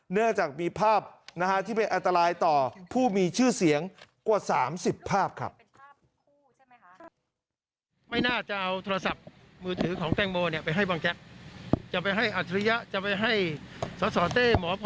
เนื่องจากมีภาพที่เป็นอันตรายต่อผู้มีชื่อเสียงกว่า๓๐ภาพครับ